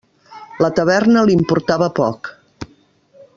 La taverna li importava poc.